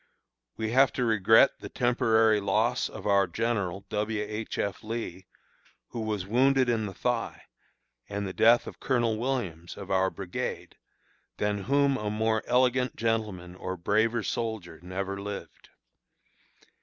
We have to regret the temporary loss of our general (W. H. F. Lee), who was wounded in the thigh, and the death of Colonel Williams (of our brigade), than whom a more elegant gentleman or braver soldier never lived.